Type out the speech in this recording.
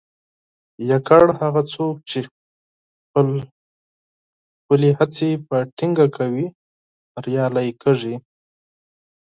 یوازې هغه څوک چې خپلې هڅې په ټینګه توګه کوي، بریالي کیږي.